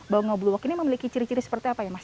bau no blue walk ini memiliki ciri ciri seperti apa ya mas